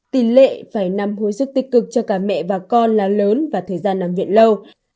tỷ lệ phải nằm hồi sức tích cực cho cả mẹ và con là lớn và thời gian nằm viện lâu